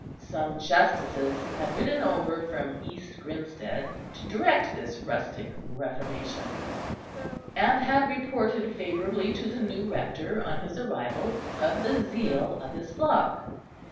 Some Justices had ridden over from East Grinsted to direct this rustic reformation, and had reported favourably to the new Rector on his arrival of the zeal of his flock.